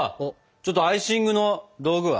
ちょっとアイシングの道具は？